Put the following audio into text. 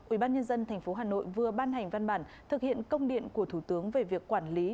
ủy ban nhân dân tp hà nội vừa ban hành văn bản thực hiện công điện của thủ tướng về việc quản lý